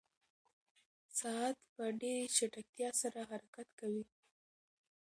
ساعت په ډېرې چټکتیا سره حرکت کوي.